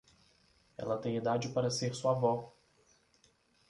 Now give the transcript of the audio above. Ela tem idade para ser sua vó.